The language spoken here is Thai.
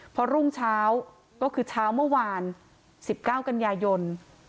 พอรุ่งเช้าก็คือเช้าเมื่อวาน๑๙กันยายน